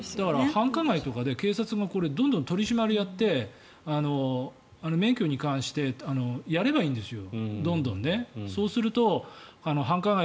繁華街とかでどんどんこれ、取り締まりをやって免許に関してやればいいんですよ